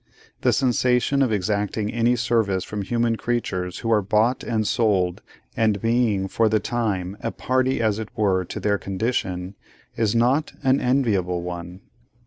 The sensation of exacting any service from human creatures who are bought and sold, and being, for the time, a party as it were to their condition, is not an enviable one.